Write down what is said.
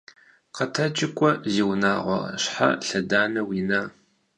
Къэтэджи кӏуэ, зи унагъуэрэ. Щхьэ лъэданэ уина?